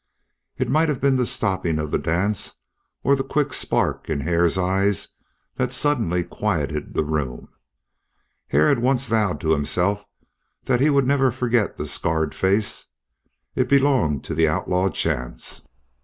It might have been the stopping of the dance or the quick spark in Hare's eyes that suddenly quieted the room. Hare had once vowed to himself that he would never forget the scarred face; it belonged to the outlaw Chance.